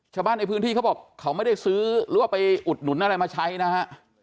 ชาวบ้านในพื้นที่เขาบอกเขาไม่ได้ซื้อหรือว่าไปอุดหนุนอะไรมาใช้นะฮะ